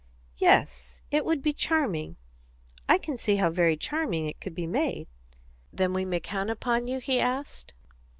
"Yes, it would be charming; I can see how very charming it could be made." "Then we may count upon you?" he asked.